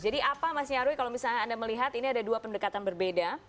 jadi apa mas nyarwi kalau misalnya anda melihat ini ada dua pendekatan berbeda